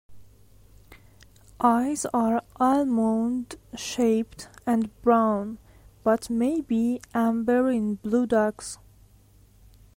Eyes are almond-shaped and brown but may be amber in blue dogs.